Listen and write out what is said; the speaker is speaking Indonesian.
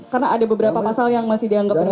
karena ada beberapa masalah yang masih dianggap masalah